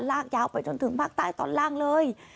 ลากยาวไปจนถึงภาคใต้ตอนล่างเลย